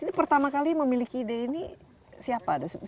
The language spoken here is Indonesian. ini pertama kali memiliki ide ini siapa